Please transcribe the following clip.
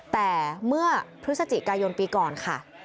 แต่เมื่อพฤศจิกายนปีก่อนค่ะ